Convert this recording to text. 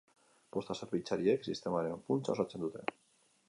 Posta-zerbitzariek sistemaren funtsa osatzen dute.